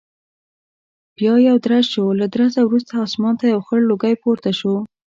بیا یو درز شو، له درزه وروسته اسمان ته یو خړ لوګی پورته شو.